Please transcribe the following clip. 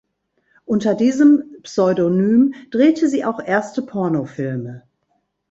Unter diesem Pseudonym drehte sie auch erste Pornofilme.